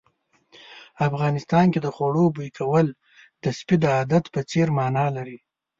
افغانستان کې د خوړو بوي کول د سپي د عادت په څېر مانا لري.